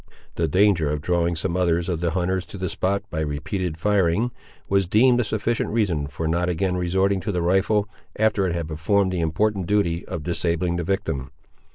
The danger of drawing some others of the hunters to the spot, by repeated firing, was deemed a sufficient reason for not again resorting to the rifle, after it had performed the important duty of disabling the victim.